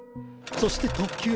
そして特級。